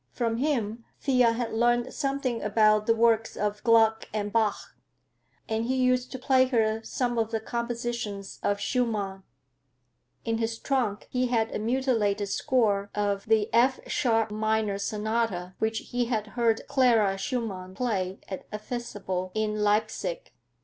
From him Thea had learned something about the works of Gluck and Bach, and he used to play her some of the compositions of Schumann. In his trunk he had a mutilated score of the F sharp minor sonata, which he had heard Clara Schumann play at a festival in Leipsic.